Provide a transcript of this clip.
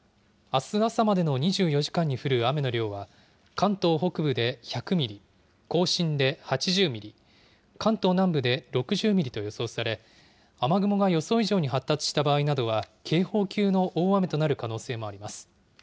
あす朝までの２４時間に降る雨の量は、関東北部で１００ミリ、甲信で８０ミリ、関東南部で６０ミリと予想され、雨雲が予想以上に発達した場合などは、警報級の大雨となる可能性もあります。